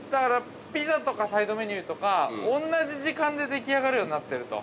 ◆ピザとかサイドメニューとか同じ時間ででき上るようになってると。